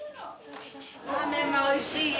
ラーメンもおいしいよ。